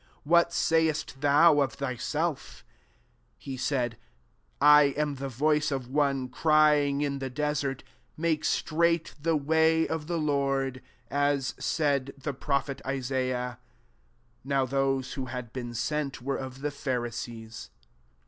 What sayest thou of thyself?" 23 He said, 1 am the voice of one crying in the desert, < Make straight the way of the Lord :• as said the prophet Isaiah." 24 Now those who had been sent were of the Pharisees.